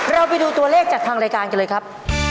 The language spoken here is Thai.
เราไปดูตัวเลขจากทางรายการกันเลยครับ